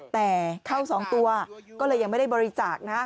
แต่เข้า๒ตัวก็เลยยังไม่ได้บริจาคนะ